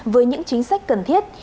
với những chính sách cần thiết